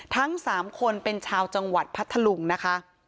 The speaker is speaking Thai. ทั้ง๓คนเป็นชาวจังหวัดพัทธลุงนะคะ